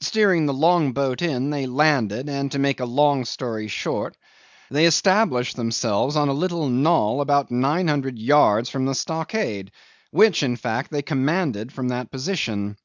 Steering the long boat in, they landed, and, to make a long story short, they established themselves on a little knoll about 900 yards from the stockade, which, in fact, they commanded from that position.